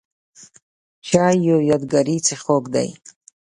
چای یو یادګاري څښاک دی.